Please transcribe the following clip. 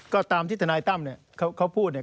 ก็ตามที่ทนายตั้มเนี่ยเขาพูดเนี่ย